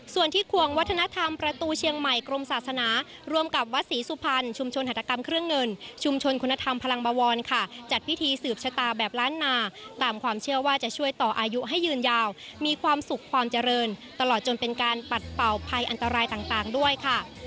ส่วนที่ควงวัฒนธรรมประตูเชียงใหม่กรมศาสนารวมกับวัดศรีสุพรรณชุมชนหัตกรรมเครื่องเงินชุมชนคุณธรรมพลังบวรค่ะจัดพิธีสืบชะตาแบบล้านนาตามความเชื่อว่าจะช่วยต่ออายุให้ยืนยาวมีความสุขความเจริญตลอดจนเป็นการปัดเป่าภัยอันตรายต่างด้วยค่ะ